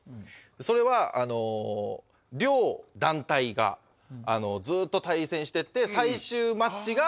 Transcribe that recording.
それは両団体がずっと対戦してって。